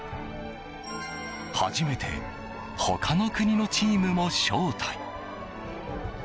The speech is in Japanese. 初めて他の国のチームも招待。